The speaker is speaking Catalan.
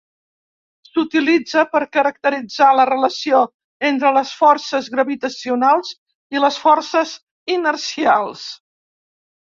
S'utilitza per caracteritzar la relació entre les forces gravitacionals i les forces inercials.